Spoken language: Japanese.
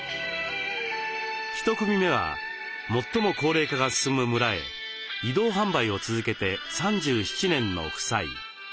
１組目は最も高齢化が進む村へ移動販売を続けて３７年の夫妻。